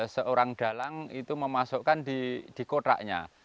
seorang dalang itu memasukkan di kotanya